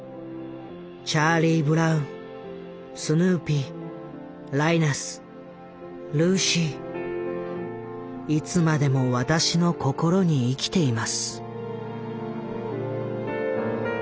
チャーリー・ブラウンスヌーピーライナスルーシーいつまでも私の心に生きています」。